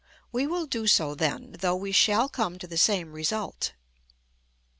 We will do so then; though we shall come to the same result.